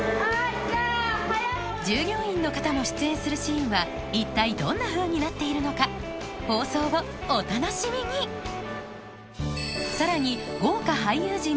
従業員の方の出演するシーンは一体どんなふうになっているのか放送をお楽しみにさらに